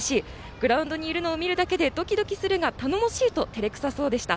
グラウンドにいるのを見るだけでドキドキするが頼もしいとてれくさそうでした。